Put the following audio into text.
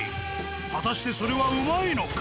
果たしてそれはうまいのか？